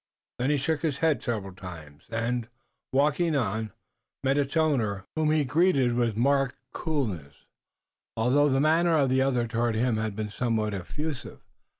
Then he shook his head several times, and, walking on, met its owner, whom he greeted with marked coolness, although the manner of the other toward him had been somewhat effusive.